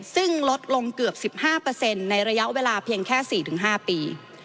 ซึ่งลดลงเกือบ๑๕ในระยะเวลาเพียงแค่๔๕ปี